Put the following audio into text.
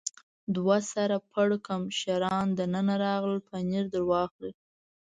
دوه سر پړکمشران دننه راغلل، پنیر در واخلئ.